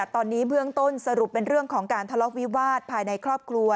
ตอนนี้เบื้องต้นสรุปเป็นเรื่องของการทะเลาะวิวาสภายในครอบครัว